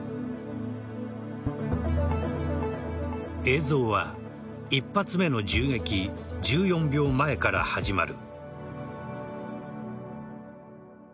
映像は１発目の銃撃１４秒前から始まる。